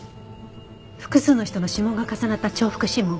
複数の人の指紋が重なった重複指紋。